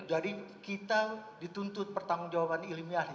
jadi kita dituntut pertanggung jawaban ilmiah